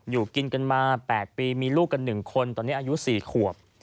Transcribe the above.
อยู่กินกันมา๘ปีมีลูกกัน๑คนตอนนี้อายุ๔ขวบ